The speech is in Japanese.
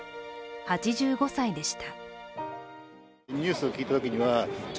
８５歳でした。